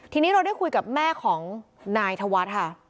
ทีนี้เราได้คุยกับแม่ของนายธวัฒน์ค่ะ